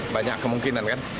banyak kemungkinan kan